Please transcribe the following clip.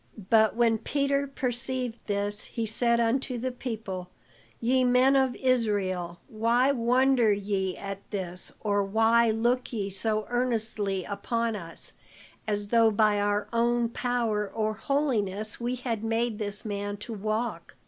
But when Peter perceived this he said unto the people: "Ye men of Israel, why wonder ye at this, or why look ye so earnestly upon us, as though by our own power or holiness we had made this man to walk?